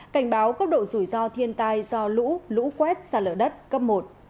cảnh báo cấp độ rủi ro thiên tai do lũ lũ quét xa lở đất cấp một